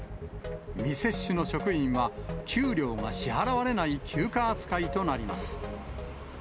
未接種の職員は給料が支払われない休暇扱いとなります。